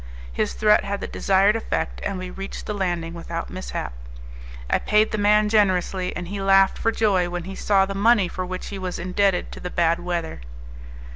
His threat had the desired effect, and we reached the landing without mishap. I paid the man generously, and he laughed for joy when he saw the money for which he was indebted to the bad weather.